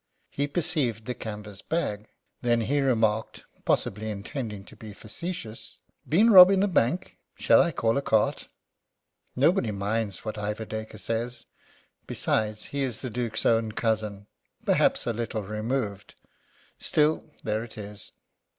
He perceived the canvas bag. Then he remarked, possibly intending to be facetious: "Been robbing the bank? Shall I call a cart?" Nobody minds what Ivor Dacre says. Besides, he is the Duke's own cousin. Perhaps a little removed; still, there it is.